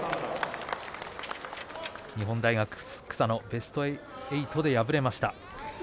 日本大学、草野ベスト８で敗れました。